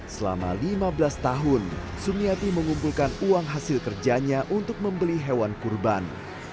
selama lima belas tahun sumiati mengumpulkan uang hasil kerjanya untuk membeli hewan kurban